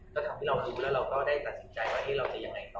ก็ทำให้เรารู้แล้วเราก็ได้ตัดสินใจว่าเราจะยังไงต่อ